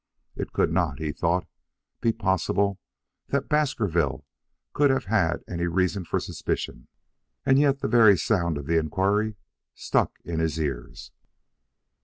It could not, he thought, be possible that Baskerville could have had any reasons for suspicion, and yet the very sound of the inquiry stuck in his ears.